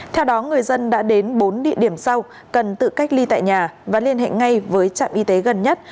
theo đó người dân đã đến bốn địa điểm sau cần tự cách ly tại nhà và liên hệ ngay với trạm y tế gần nhất